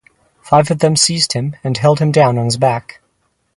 Five of them seized him and held him down on his back.